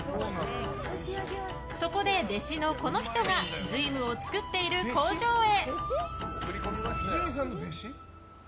そこで、弟子のこの人が瑞夢を作っている工場へ。